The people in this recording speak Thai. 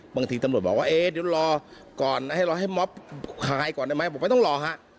บางทีตำรวจบอกว่าเอ๊ะเดี๋ยวรอก่อนให้รอให้มอบหายก่อนได้ไหมผมไม่ต้องรอฮะ